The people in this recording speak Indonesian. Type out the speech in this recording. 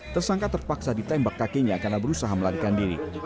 tersangka terpaksa ditembak kakinya karena berusaha melarikan diri